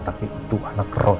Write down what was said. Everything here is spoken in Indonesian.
tapi itu anak roy